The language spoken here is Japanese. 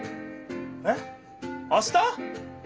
えっあした！？